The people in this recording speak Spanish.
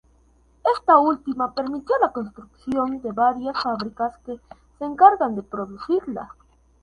Esta última permitió la construcción de varias fábricas que se encargan de producirla.